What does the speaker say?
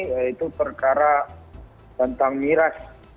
yaitu perkara tentang miras